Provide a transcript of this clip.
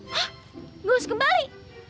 hah ngos kembali